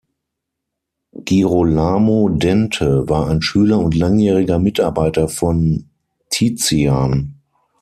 Girolamo Dente war ein Schüler und langjähriger Mitarbeiter von Tizian.